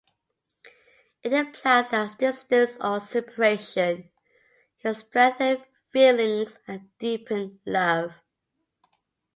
It implies that distance or separation can strengthen feelings and deepen love.